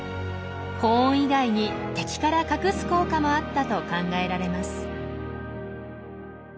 保温以外に敵から隠す効果もあったと考えられます。